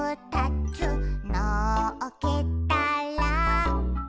「のっけたら」